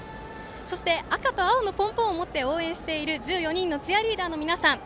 そして、赤と青のポンポンを持って応援している１４人のチアリーダーの皆さん